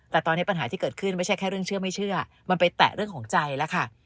แต่ตอนนี้ปัญหาที่เกิดขึ้นไม่ใช่แค่เรื่องเชื่อไม่เชื่อมันไปแตะเรื่องของใจแล้วค่ะ